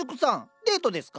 デートですか？